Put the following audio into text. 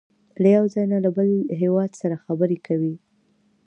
له یو ځای نه له بل هېواد سره خبرې کوي.